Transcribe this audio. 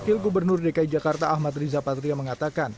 wakil gubernur dki jakarta ahmad riza patria mengatakan